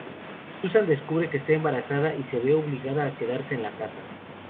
Susan descubre que está embarazada y se ve obligada a quedarse en la casa.